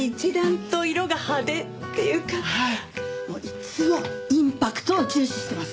いつもインパクトを重視してます！